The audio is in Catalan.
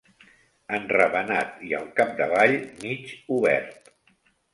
Enravenat i, al capdavall, mig obert.